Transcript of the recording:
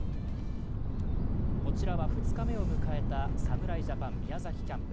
こちらは２日目を迎えた侍ジャパン宮崎キャンプ。